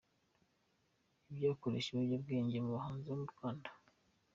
Iby’ikoresha ry’ibiyobyabwenge mu bahanzi bo mu Rwanda